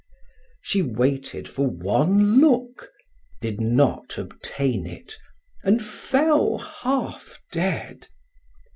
She waited for one look, did not obtain it, and fell, half dead.